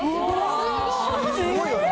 すごいよね。